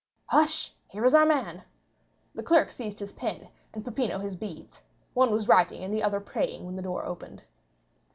"Hush—here is our man!" The clerk seized his pen, and Peppino his beads; one was writing and the other praying when the door opened.